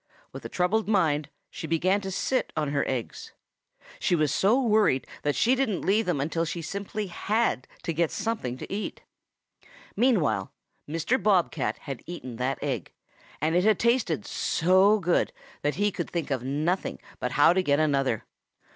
With a troubled mind she began to sit on her eggs. She was so worried that she didn't leave them until she simply had to get something to eat. "Meanwhile Mr. Bob cat had eaten that egg, and it had tasted so good that he could think of nothing but how he could get another.